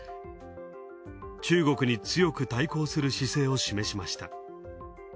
中国に強く対抗する姿勢を示しました。